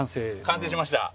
完成しました。